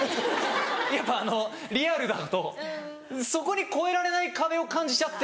やっぱあのリアルだとそこに越えられない壁を感じちゃって。